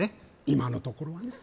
今のところはね